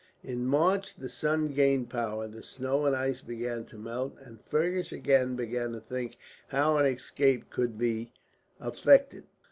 In March the sun gained power, the snow and ice began to melt, and Fergus again began to think how an escape could be effected.